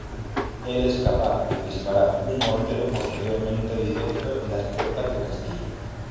Él es capaz de disparar un mortero posteriormente directo en las puertas del castillo.